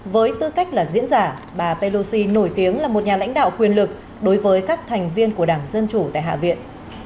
với tư cách là diễn giả bà pelosi nổi tiếng là một nhà lãnh đạo quyền lực đối với các thành viên của đảng dân chủ tại hạ viện